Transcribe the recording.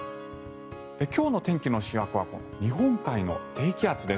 今日の天気の主役は日本海の低気圧です。